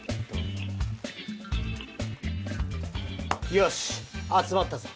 よしあつまったぞ。